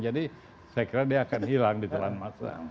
jadi saya kira dia akan hilang di telan masa